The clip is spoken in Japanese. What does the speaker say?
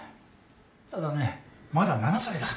ただねまだ７歳だ。